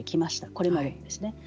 これまでもですね。